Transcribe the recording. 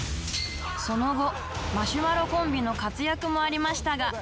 その後マシュマロコンビの活躍もありましたが